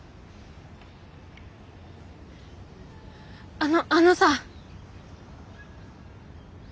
あのあのさ。